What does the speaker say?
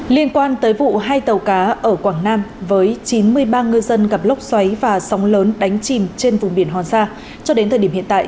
liên quan tới vụ hai tàu cá ở quảng nam với chín mươi ba ngư dân gặp lốc xoáy và sóng lớn đánh chìm trên vùng biển hòn sa cho đến thời điểm hiện tại